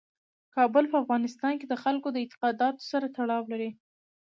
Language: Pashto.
کابل په افغانستان کې د خلکو د اعتقاداتو سره تړاو لري.